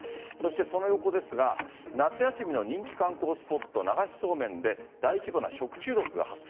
その横ですが夏休みの人気観光スポット流しそうめんで大規模な食中毒が発生。